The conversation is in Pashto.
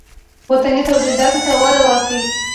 وطني تولیداتو ته وده ورکړئ